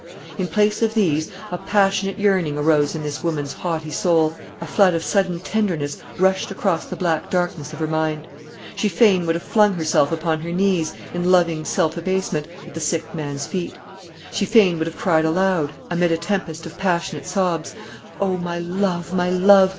In place of these, a passionate yearning arose in this woman's haughty soul; a flood of sudden tenderness rushed across the black darkness of her mind. She fain would have flung herself upon her knees, in loving self abasement, at the sick man's feet. She fain would have cried aloud, amid a tempest of passionate sobs, "O my love, my love!